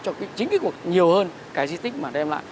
đóng góp cho chính cái nhiều hơn cái di tích mà đem lại